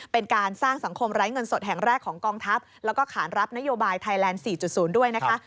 เป็นการสร้างสังคมไร้เงินสดแห่งแรกของกองทัพแล้วก็ขานรับนโยบายไทยแลนด์๔๐ด้วยนะคะ